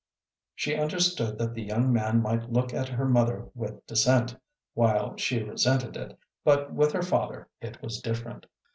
She understood that the young man might look at her mother with dissent, while she resented it, but with her father it was different.